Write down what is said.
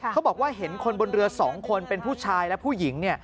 เขาบอกว่าเห็นคนบนเรือ๒คนเป็นผู้ชายและผู้หญิง